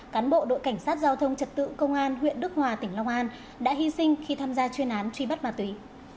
cán bộ đội cảnh sát giao thông trật tự công an huyện đức hòa tỉnh long an đã hy sinh khi tham gia chuyên án truy bắt bà túy